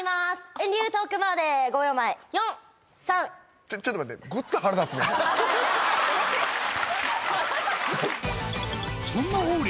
エンディングトークまで５秒前４３ちょっと待ってそんな王林